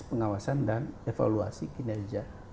pengawasan dan evaluasi kinerja